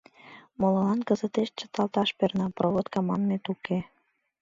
Молылан кызытеш чыталташ перна: проводка манмет уке.